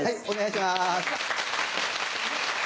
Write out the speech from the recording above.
お願いします。